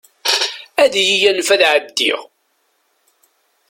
Ad iyi-yanef ad ɛeddiɣ.